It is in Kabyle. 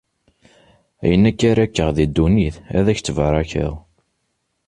Ayen akk ara kkeɣ di ddunit, ad k-ttbarakeɣ.